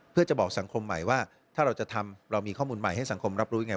เพื่อจะบอกสังคมใหม่ว่าถ้าเราจะทำเรามีข้อมูลใหม่ให้สังคมรับรู้ยังไง